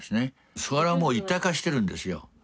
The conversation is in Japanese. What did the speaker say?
それはもう一体化してるんですよ。